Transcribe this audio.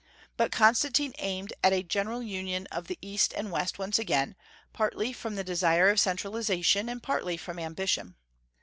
But Constantine aimed at a general union of the East and West once again, partly from the desire of centralization, and partly from ambition.